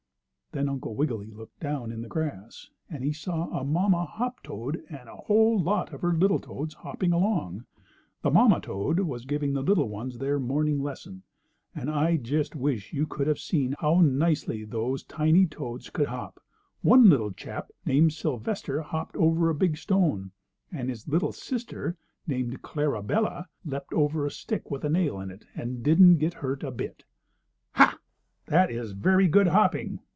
Then Uncle Wiggily looked down in the grass, and he saw a mamma hoptoad and a whole lot of her little toads hopping along. The mamma toad was giving the little ones their morning lesson. And I just wish you could have seen how nicely those tiny toads could hop. One little chap, named Sylvester, hopped over a big stone, and his little sister, named Clarabella, leaped over a stick with a nail in it and didn't get hurt a bit. "Ha! That is very good hopping!